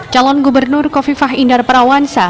calon gubernur kofifah indar parawansa